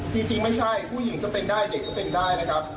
จริงไม่ใช่ผู้หญิงก็เป็นได้เด็กก็เป็นได้นะครับ